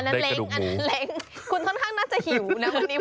ตัวนั้นเล่งขนตรงข้างน่าจะหิวเนี่ย